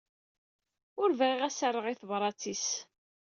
Ur bɣiɣ ad s-rreɣ i tebrat-is.